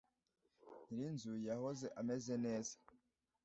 Nyirinzu yahoze ameze neza.